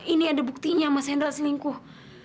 ini ada buktinya mas hendra selingkuh